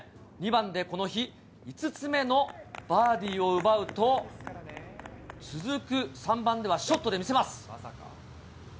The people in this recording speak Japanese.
２番でこの日５つ目のバーディーを奪うと、続く３番ではショットで見せます。